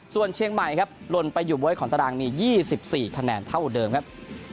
ส่วนเชียงใหม่ครับลนไปอยู่บ๊วยของตารางมี๒๔คะแนนเท่าเดิมครับ